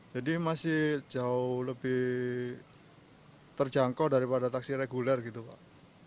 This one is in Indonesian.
jadi masih jauh lebih terjangkau daripada taksi reguler gitu pak